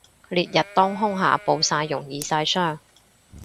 烈日當空下暴曬容易曬傷